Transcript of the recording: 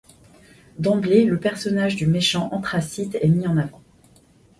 D'emblée le personnage du méchant Anthracite est mis en avant.